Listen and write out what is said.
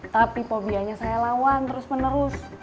tapi fobianya saya lawan terus menerus